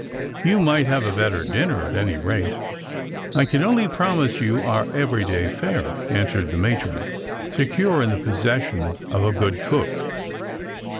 " You might have a better dinner, at any rate. I can only promise you our everyday fare," answered the matron, secure in the possession of a good cook.